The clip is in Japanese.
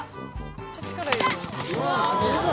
めっちゃ力いる。